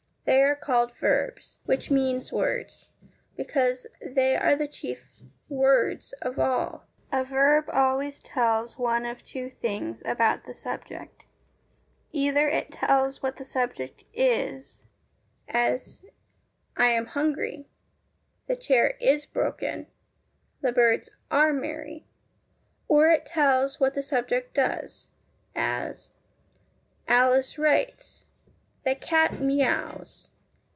They are called VERBS, which means words, because they are the chief words of all. A verb always tells one of two things about the subject. Either it tells what the subject is, as I am hungry. The chair is broken. The birds are merry ; or it tells what the subject does, as Alice writes. The cat mews.